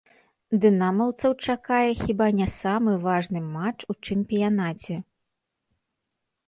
Дынамаўцаў чакае хіба не самы важны матч у чэмпіянаце.